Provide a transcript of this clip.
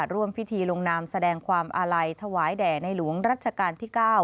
ร่วมพิธีลงนามแสดงความอาลัยถวายแด่ในหลวงรัชกาลที่๙